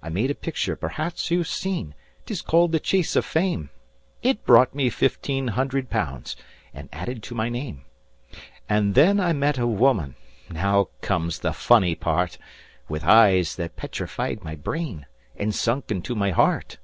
"I made a picture perhaps you've seen, 'tis called the `Chase of Fame.' It brought me fifteen hundred pounds and added to my name, And then I met a woman now comes the funny part With eyes that petrified my brain, and sunk into my heart.